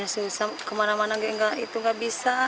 susah kemana mana itu nggak bisa